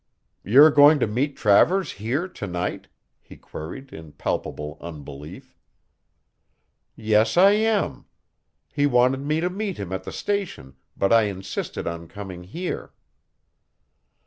"You're going to meet Travers here to night?" he queried, in palpable unbelief. "Yes, I am. He wanted me to meet him at the station, but I insisted on coming here."